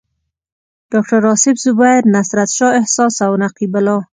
ډاکټر اصف زبیر، نصرت شاه احساس او نقیب الله.